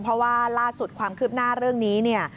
เพราะว่าล่าสุดความคืบหน้าเรื่องนี้เนี่ย